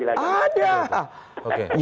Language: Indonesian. termasuk kalau dki anda harus